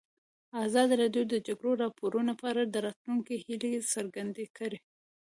ازادي راډیو د د جګړې راپورونه په اړه د راتلونکي هیلې څرګندې کړې.